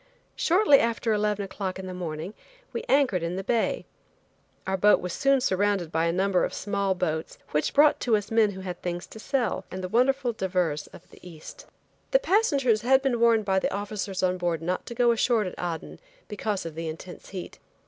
Shortly after eleven o'clock in the morning we anchored in the bay. Our boat was soon surrounded by a number of small boats, which brought to us men who had things to sell, and the wonderful divers of the East. The passengers had been warned by the officers on board not to go ashore at Aden because of the intense heat.